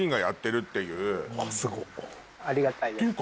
ありがたいです。